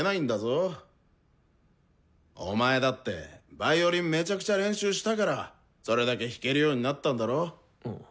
お前だってヴァイオリンめちゃくちゃ練習したからそれだけ弾けるようになったんだろ？